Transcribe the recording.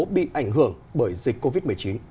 bị ảnh hưởng bởi dịch covid một mươi chín